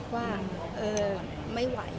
ว่าไม่ไหว